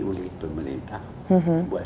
oleh pemerintah buat